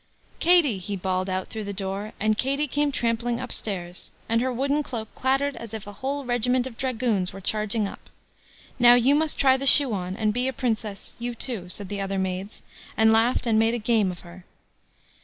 "Katie", he bawled out through the door; and Katie came trampling upstairs, and her wooden cloak clattered as if a whole regiment of dragoons were charging up. "Now, you must try the shoe on, and be a Princess, you too," said the other maids, and laughed and made game of her.